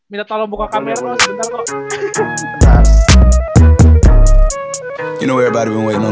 minta tolong buka kamer lu sebentar ko